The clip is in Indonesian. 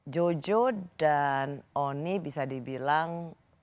jojo dan oni bisa dibilang